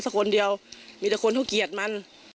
คนเดียวมีแต่คนเขาเกลียดมัน